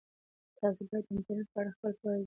تاسي باید د انټرنيټ په اړه خپله پوهه زیاته کړئ.